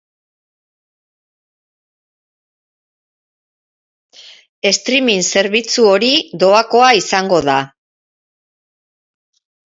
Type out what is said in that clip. Streaming zerbitzu hori doakoa izango da.